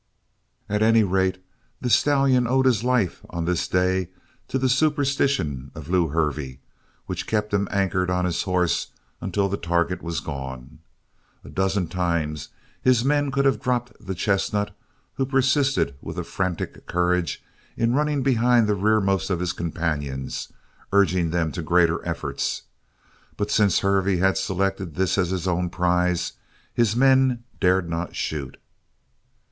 At any rate, the stallion owed his life on this day to the superstition of Lew Hervey which kept him anchored on his horse until the target was gone. A dozen times his men could have dropped the chestnut who persisted with a frantic courage in running behind the rearmost of his companions, urging them to greater efforts, but since Hervey had selected this as his own prize his men dared not shoot.